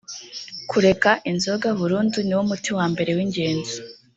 kureka inzoga burundu niwo muti wambere w’ingenzi